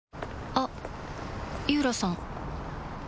あっ井浦さん